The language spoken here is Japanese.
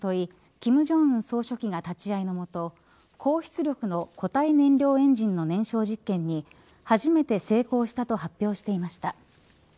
金正恩総書記が立ち会いのもと高出力の固体燃料エンジンの燃焼実験に初めて成功したと発表していました。